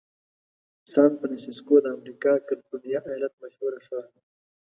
سان فرنسیسکو د امریکا کالفرنیا ایالت مشهوره ښار دی.